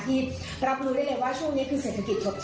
ที่รับรู้ได้เลยว่าช่วงนี้คือเศรษฐกิจถดถอยมากนะฮะ